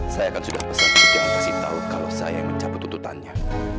saya kan sudah pesan kejahatan si tahu kalau saya yang mencabut ututannya